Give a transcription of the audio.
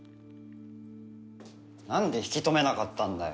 なんで引き止めなかったんだよ。